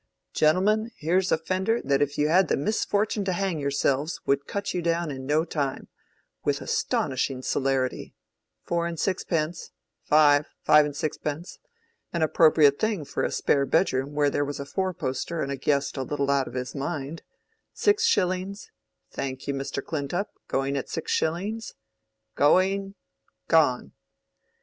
Gentlemen, here's a fender that if you had the misfortune to hang yourselves would cut you down in no time—with astonishing celerity—four and sixpence—five—five and sixpence—an appropriate thing for a spare bedroom where there was a four poster and a guest a little out of his mind—six shillings—thank you, Mr. Clintup—going at six shillings—going—gone!"